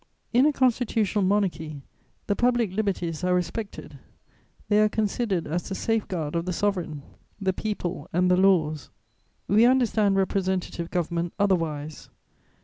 "In a constitutional monarchy, the public liberties are respected; they are considered as the safeguard of the Sovereign, the people and the laws. "We understand representative government otherwise.